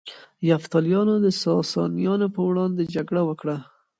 یفتلیانو د ساسانیانو پر وړاندې جګړه وکړه